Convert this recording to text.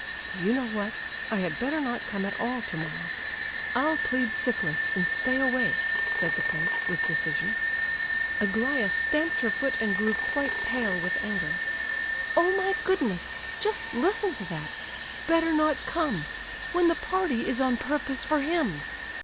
"Do you know what, I had better not come at all tomorrow! I'll plead sick list and stay away," said the prince, with decision. Aglaya stamped her foot, and grew quite pale with anger. "Oh, my goodness! Just listen to that! 'Better not come,' when the party is on purpose for him!